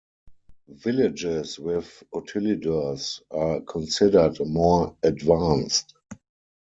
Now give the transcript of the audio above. Villages with utilidors are considered more advanced.